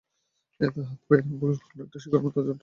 এতে তাঁর হাত-পায়ের আঙুল অনেকটা শিকড়ের মতো জটের আকার ধারণ করেছে।